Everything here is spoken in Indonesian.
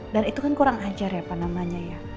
dan itu kan kurang ajar ya apa namanya ya